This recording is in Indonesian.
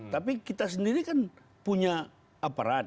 tapi kita sendiri kan punya aparat